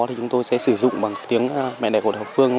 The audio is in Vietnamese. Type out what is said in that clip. thì chúng tôi sẽ sử dụng bằng tiếng mẹ đẻ của học phương